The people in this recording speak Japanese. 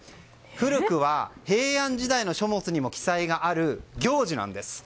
古くは平安時代の書物にも記載がある行事なんです。